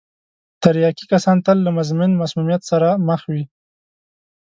تریاکي کسان تل له مزمن مسمومیت سره مخ وي.